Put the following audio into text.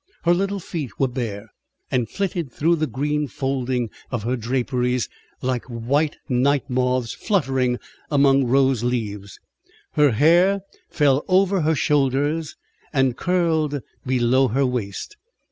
Her little feet were bare, and flitted through the green folding of her draperies like white night moths fluttering among rose leaves. Her hair fell over her shoulders, and curled below her waist.